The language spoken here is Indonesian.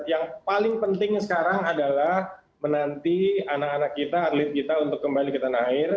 yang paling penting sekarang adalah menanti anak anak kita atlet kita untuk kembali ke tanah air